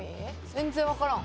全然わからん。